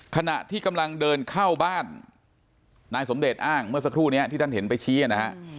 ขณะที่กำลังเดินเข้าบ้านนายสมเดชอ้างเมื่อสักครู่นี้ที่ท่านเห็นไปชี้นะฮะ